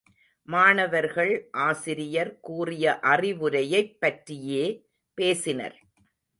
மாணவர்கள் ஆசிரியர் கூறிய அறிவுரையைப் பற்றியே பேசினர்.